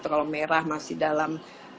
kalau merah masih dalam